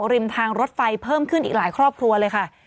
ริมทางรถไฟเพิ่มขึ้นอีกหลายครอบครัวเลยค่ะ